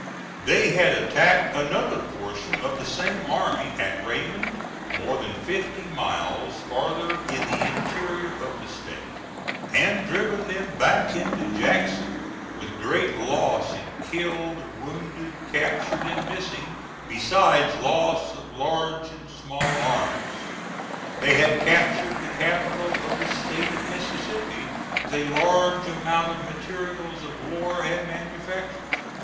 They had attacked another portion of the same army at Raymond, more than fifty miles farther in the interior of the State, and driven them back into Jackson with great loss in killed, wounded, captured and missing, besides loss of large and small arms: they had captured the capital of the State of Mississippi, with a large amount of materials of war and manufactures.